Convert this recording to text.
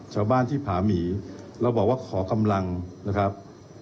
ชาวบ้านที่ผาหมีเราบอกว่าขอกำลังนะครับ